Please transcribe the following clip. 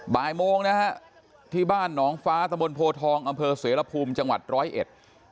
บ่ายโมงที่บ้านหนองฟ้าสมพนธ์โพทองอำเภอเสรภูมิจังหวัด๑๐๑